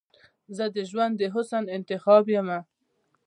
زه دژوند د حسن انتخاب یمه